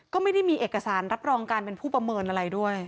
ก็ไม่ได้มีเอกสารรับรองการเป็นผู้ประเมินอะไรด้วย